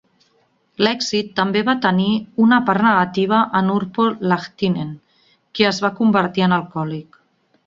L'èxit també va tenir una part negativa en Urpo Lahtinen, qui es va convertir en alcohòlic.